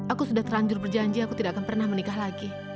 aku sudah terlanjur berjanji aku tidak akan pernah menikah lagi